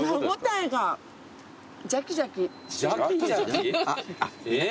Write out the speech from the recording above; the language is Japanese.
えっ？